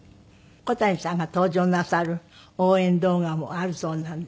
小谷さんが登場なさる応援動画もあるそうなんで。